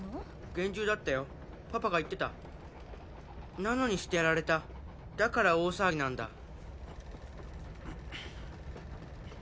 厳重だったよパパが言ってたなのにしてやられただから大騒ぎなんだうっうっ